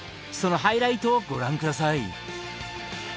そのハイライトをご覧下さい。